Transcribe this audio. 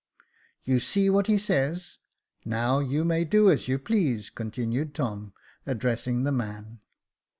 " You see what he says : now you may do as you please," continued Tom, addressing the man.